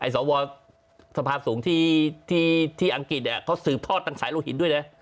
สวสภาพสูงที่อังกฤษเขาสืบทอดทางสายโลหิตด้วยนะ